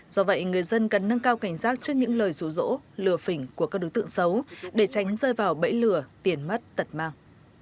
do vậy người dân cần nâng cao cảnh giác trước những lời rủ rỗ lừa phỉnh của các đối tượng xấu để tránh rơi vào bẫy lừa tiền mất tật mang